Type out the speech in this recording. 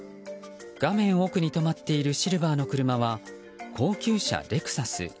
画面奥に止まっているシルバーの車は高級車、レクサス。